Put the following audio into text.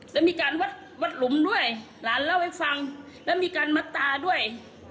แล้วมีการวัดวัดหลุมด้วยหลานเล่าให้ฟังแล้วมีการมัดตาด้วย